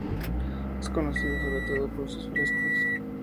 Es conocido sobre todo por sus frescos.